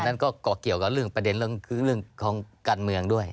นั่นก็ก่อเกี่ยวกับเรื่องประเด็นเรื่องของการเมืองด้วย